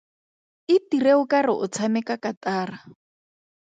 Itire o kare o tshameka katara.